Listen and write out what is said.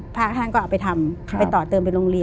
พระท่านก็เอาไปทำไปต่อเติมไปโรงเรียน